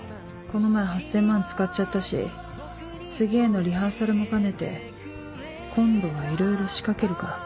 この前８０００万使っちゃったし次へのリハーサルも兼ねて今度はいろいろ仕掛けるから。